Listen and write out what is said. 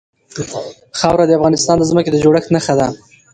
خاوره د افغانستان د ځمکې د جوړښت نښه ده.